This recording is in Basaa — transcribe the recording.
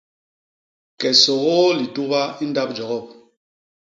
Kee sôgôô lituba i ndap jogop.